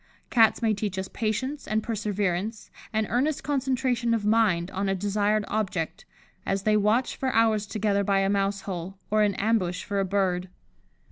Cats may teach us patience, and perseverance, and earnest concentration of mind on a desired object, as they watch for hours together by a mouse hole, or in ambush for a bird.